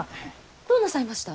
どうなさいました？